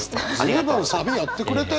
随分サビやってくれたよ！